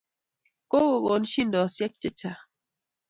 ko go kon shidoshek chechang